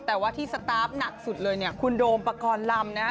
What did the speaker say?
แต่ว่าที่สตาร์ฟหนักสุดเลยเนี่ยคุณโดมปกรณ์ลำนะฮะ